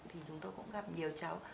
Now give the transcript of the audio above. thì chúng tôi cũng gặp nhiều cháu